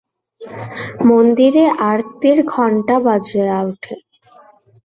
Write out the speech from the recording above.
মন্দিরে আরতির ঘণ্টা বাজিয়া ওঠে।